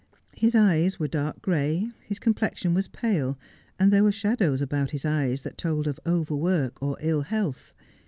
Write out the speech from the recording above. His eyes were dark gray, his complexion was pale, and there were shadows about his eyes that told of overwork or ill health.